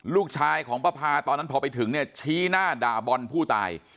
ลูกชายของป้าพาตอนนั้นพอไปถึงเนี่ยชี้หน้าด่าบอลผู้ตาย